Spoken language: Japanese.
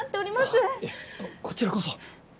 いえこちらこそ！